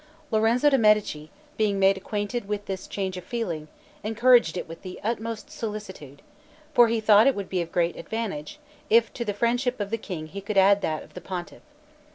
Lorenzo de' Medici, being made acquainted with this change of feeling, encouraged it with the utmost solicitude; for he thought it would be of great advantage, if to the friendship of the king he could add that of the pontiff.